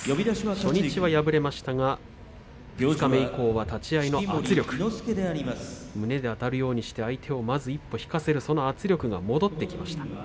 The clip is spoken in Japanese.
初日は敗れましたが二日目以降は立ち合いの圧力胸であたるようにして相手をまず一歩引かせるその圧力が戻ってきました。